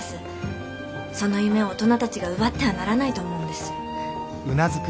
その夢を大人たちが奪ってはならないと思うんです。